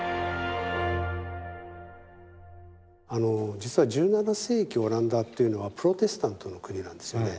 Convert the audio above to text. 実は１７世紀オランダっていうのはプロテスタントの国なんですよね。